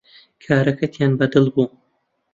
کارەکەتیان بەدڵ بوو